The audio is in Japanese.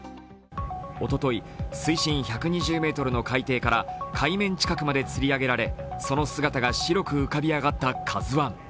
おととい水深１２０ｍの海底から海面近くまでつり上げられその姿が白く浮かび上がった「ＫＡＺＵⅠ」。